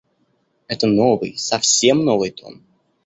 Это новый, совсем новый тон.